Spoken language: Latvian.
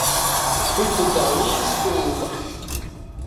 Vai tu galīgi stulba?